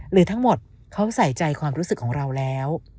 หรือทั้งหมดเขาใส่ใจความรู้สึกของเราแล้ว